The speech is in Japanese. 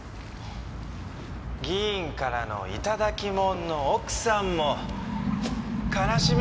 議員からの頂きもんの奥さんも悲しみますよ。